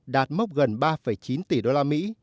đạt mốc gần ba chín tỷ đô la mỹ